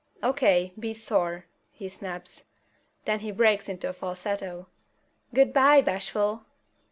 "O.K., be sore!" he snaps. Then he breaks into a falsetto: "Goo'bye, Bashful!"